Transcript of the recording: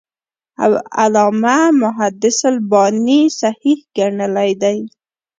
او علامه محدِّث الباني صحيح ګڼلی دی .